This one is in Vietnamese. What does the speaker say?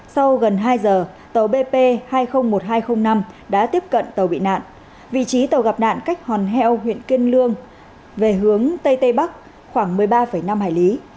sau gần hai giờ tàu bp hai mươi một nghìn hai trăm linh năm đã tiếp cận tàu bị nạn vị trí tàu gặp nạn cách hòn heo huyện kiên lương về hướng tây tây bắc khoảng một mươi ba năm hải lý